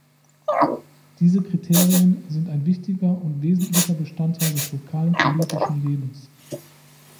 Diese Kriterien sind ein wichtiger und wesentlicher Bestandteil des lokalen politischen Lebens.